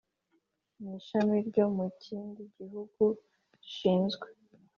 n ishami ryo mu kindi gihugu rishinzwe